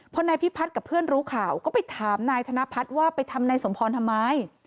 พอนายพิพัฒน์กับเพื่อนรู้ข่าวก็ไปถามนายธนพัฒน์ว่าไปทำนายสมพรทำไม